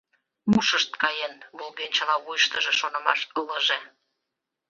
«Ушышт каен! — волгенчыла вуйыштыжо шонымаш ылыже.